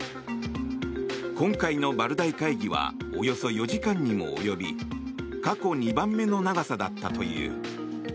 今回のバルダイ会議はおよそ４時間にも及び過去２番目の長さだったという。